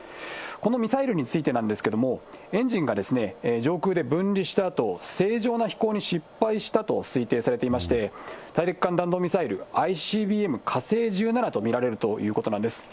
このミサイルについてなんですけども、エンジンが上空で分離したあと、正常な飛行に失敗したと推定されていまして、大陸間弾道ミサイル・ＩＣＢＭ、火星１７と見られるということなんです。